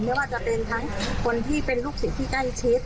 ไม่ว่าจะเป็นทั้งคนที่เป็นลูกศิษย์ที่ใกล้ชิด